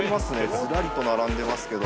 ずらりと並んでますけど。